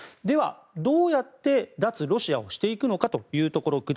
では、どうやって脱ロシアをしていくかというところ。